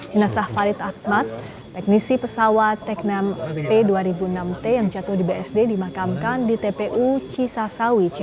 jenazah farid ahmad teknisi pesawat teknam p dua ribu enam t yang jatuh di bsd dimakamkan di tpu cisawi c